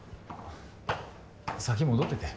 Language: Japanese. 先戻ってて。